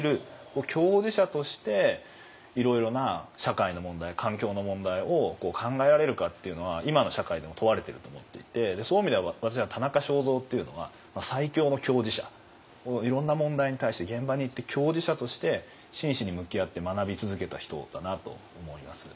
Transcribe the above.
共事者としていろいろな社会の問題環境の問題を考えられるかっていうのは今の社会でも問われていると思っていてそういう意味では私はいろんな問題に対して現場に行って共事者として真摯に向き合って学び続けた人だなと思います。